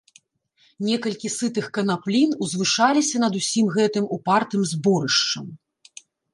Некалькі сытых канаплін узвышалася над усім гэтым упартым зборышчам.